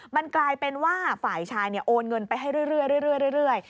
มันกลายเป็นว่าฝ่ายชายโอนเงินไปให้เรื่อย